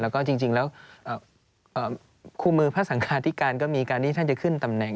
แล้วก็จริงแล้วคู่มือพระสังคาธิการก็มีการที่ท่านจะขึ้นตำแหน่ง